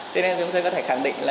thế nên chúng tôi có thể khẳng định là